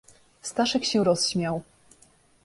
"Staszek się rozśmiał."